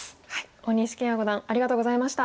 大西研也五段ありがとうございました。